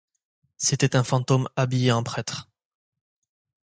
C'était un fantôme habillé en prêtre.